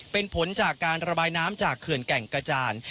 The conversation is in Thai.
เป็นผลจากการระบายน้ำจากเขื่อนแก่งกระจาน